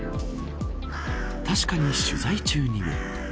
確かに取材中にも。